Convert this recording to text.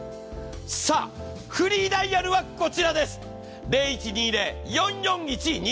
さあ、フリーダイヤルはこちらです